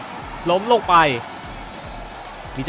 สนามโรงเรียนสมุทรสาคอนวุฒิชัย